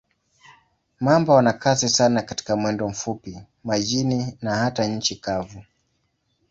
Mamba wana kasi sana katika mwendo mfupi, majini na hata nchi kavu.